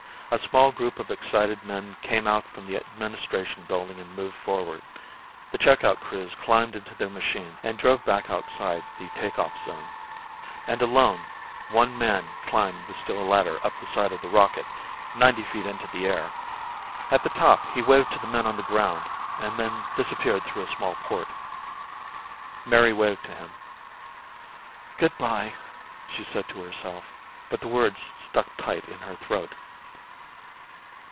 A small group of excited men came out from the administration building and moved forward. The check out crews climbed into their machines and drove back outside the take off zone. And, alone, one man climbed the steel ladder up the side of the rocket ninety feet into the air. At the top he waved to the men on the ground and then disappeared through a small port. Mary waved to him. "Good by," she said to herself, but the words stuck tight in her throat.